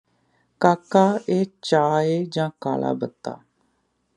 ਕਾਕਾ ਇਹ ਚਾਹ ਏਂ ਜਾਂ ਕਾਲਾ ਬੱਤਾ